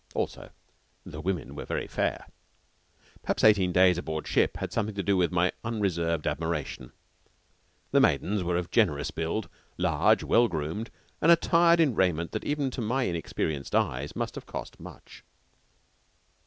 Also the women were very fair. Perhaps eighteen days aboard ship had something to do with my unreserved admiration. The maidens were of generous build, large, well groomed, and attired in raiment that even to my inexperienced eyes must have cost much.